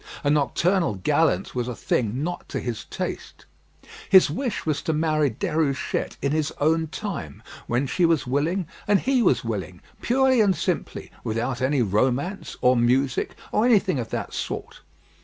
A nocturnal gallant was a thing not to his taste. His wish was to marry Déruchette in his own time, when she was willing and he was willing, purely and simply, without any romance, or music, or anything of that sort.